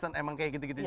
emang kayak gitu gitu juga